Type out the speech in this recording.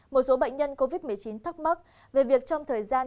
một số bệnh nhân covid một mươi chín thắc mắc về việc trong thời gian